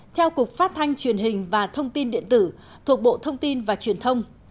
theo cục phát thanh truyền hình và thông tin điện tử thuộc bộ thông tin và truyền thông